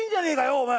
お前。